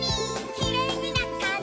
「きれいになったね」